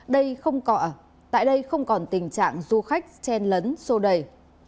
đây không còn tình trạng du khách chen lấn sô đầy